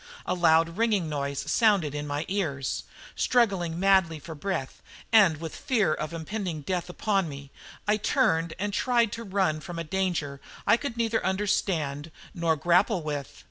A loud ringing noise sounded in my ears. Struggling madly for breath, and with the fear of impending death upon me, I turned and tried to run from a danger I could neither understand nor grapple with.